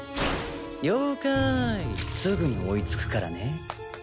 了解すぐに追いつくからね。